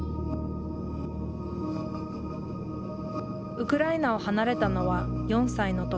ウクライナを離れたのは４歳の時。